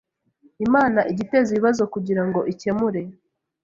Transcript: Imana ijya iteza ibibazo kugirango ikemure